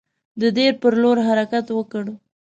د دیر پر لور حرکت وکړ.